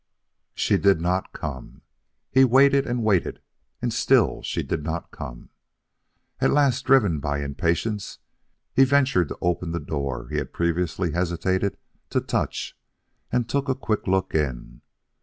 She did not come. He waited and waited, and still she did not come. At last, driven by impatience, he ventured to open the door he had previously hesitated to touch and took a quick look in.